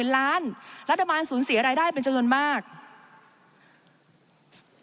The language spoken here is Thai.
รัฐมนตร์สูญเสียรายได้เป็นจริงมือก้าง